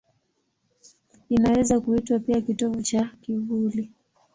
Inaweza kuitwa pia kitovu cha kivuli.